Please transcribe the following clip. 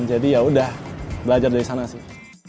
jadi yaudah belajar dari sana sih